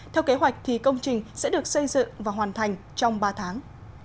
theo kế hoạch thì công trình sẽ được xây dựng và hoàn thành trong ba tháng